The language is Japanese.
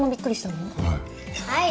はい。